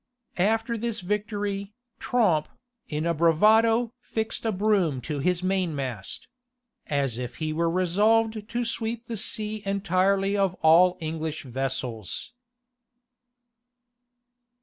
After this victory, Tromp, in a bravado fixed a broom to his mainmast; as if he were resolved to sweep the sea entirely of all English vessels.